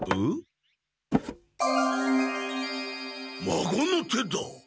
まごの手だ！